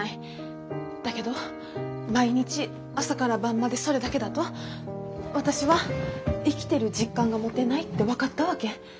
だけど毎日朝から晩までそれだけだと私は生きてる実感が持てないって分かったわけ。